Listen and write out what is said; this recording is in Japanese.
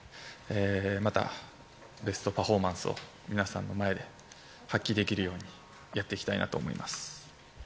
またベストパフォーマンスを皆さんの前で発揮できるようにやっていきたいと思います。